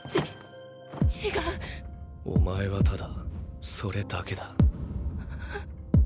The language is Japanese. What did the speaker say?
お前はただそれだけだ。